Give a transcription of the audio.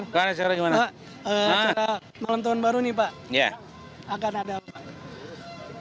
pada malam tahun baru ini pak akan ada apa